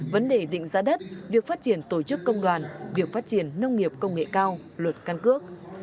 vấn đề định giá đất việc phát triển tổ chức công đoàn việc phát triển nông nghiệp công nghệ cao luật căn cước